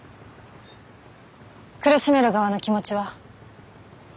苦しめる側の気持ちは？